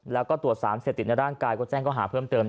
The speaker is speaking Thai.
แล้วก็ตรวจสารเสพติดในร่างกายก็แจ้งเขาหาเพิ่มเติม